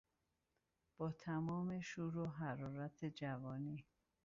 با تمام شور و حرارت جوانی